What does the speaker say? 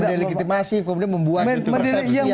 mendelegitimasi kemudian membuat versasi yang salah gitu